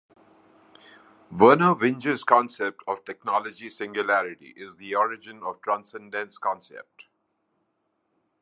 Vernor Vinge's concept of "technological singularity" is the origin of the Transcendence concept.